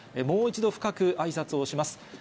もう一度、深くあいさつをします。